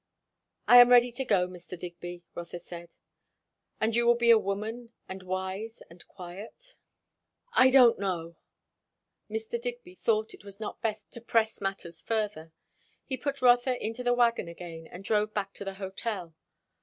"I am ready to go, Mr. Digby," Rotha said. "And you will be a woman, and wise, and quiet?" "I don't know!" Mr. Digby thought it was not best to press matters further. He put Rotha into the wagon again and drove back to the hotel.